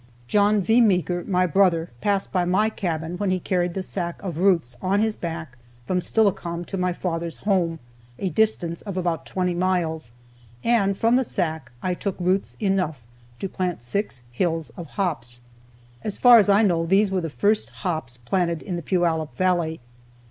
John V. Meeker, my brother, passed by my cabin when he carried the sack of roots on his back from Steilacoom to my father's home, a distance of about twenty miles, and from the sack I took roots enough to plant six hills of hops. As far as I know those were the first hops planted in the Puyallup valley.